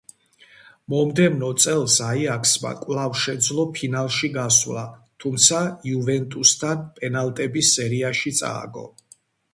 მომდევნო წელს „აიაქსმა“ კვლავ შეძლო ფინალში გასვლა, თუმცა „იუვენტუსთან“ პენალტების სერიაში წააგო.